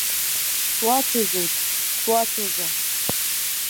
Суацәажәоит, суацәажәа!